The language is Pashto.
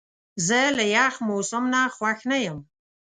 زه له یخ موسم نه خوښ نه یم.